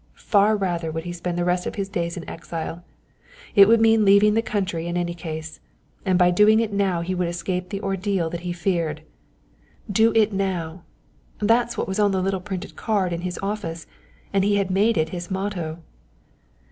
Far rather would he spend the rest of his days in exile; it would mean leaving the country in any case, and by doing it now he would escape the ordeal that he feared. "DO IT NOW" that's what was on a little printed card in his office and he had made it his motto.